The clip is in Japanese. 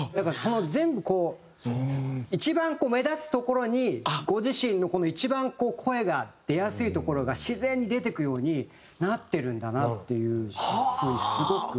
全部こう一番目立つところにご自身の一番声が出やすいところが自然に出ていくようになってるんだなっていう風にすごく。